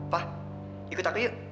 pa ikut aku yuk